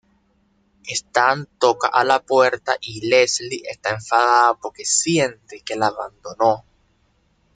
Stan toca a la puerta y Leslie está enfadada porque siente que la abandonó.